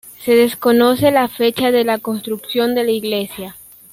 Se desconoce la fecha de construcción de la iglesia.